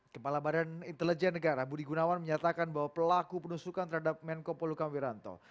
kepala badan intelijen negara budi gunawan menyatakan bahwa pelaku penusukan terhadap menko polukam wiranto